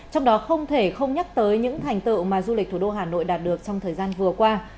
trong đó không thể không nhắc tới những thành tựu mà du lịch thủ đô hà nội đạt được trong thời gian vừa qua